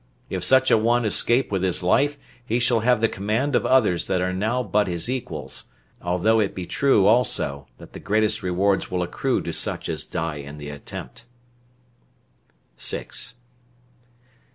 If such a one escape with his life, he shall have the command of others that are now but his equals; although it be true also that the greatest rewards will accrue to such as die in the attempt." 3 6.